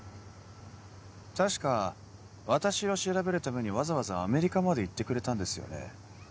確か私を調べるためにわざわざアメリカまで行ってくれたんですよね